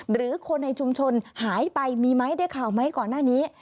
หรือคนในชุมชนหายไปมีไหมได้ข่าวไหมก่อนหน้านี้